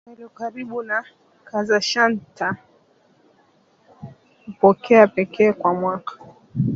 Maeneo yaliyo karibu na Kazakhstan hupokea pekee kwa mwaka